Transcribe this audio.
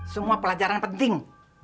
semua pelajaran penting